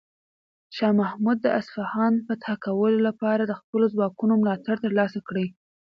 شاه محمود د اصفهان فتح کولو لپاره د خپلو ځواکونو ملاتړ ترلاسه کړ.